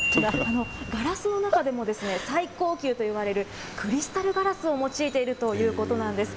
ガラスの中でも、最高級といわれるクリスタルガラスを用いているということなんです。